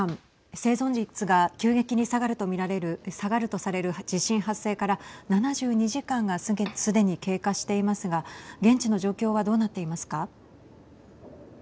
生存率が急激に下がるとされる地震発生から７２時間がすでに経過していますが現地の状況はどうなっていますか。